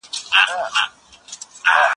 زه هره ورځ د کتابتوننۍ سره مرسته کوم.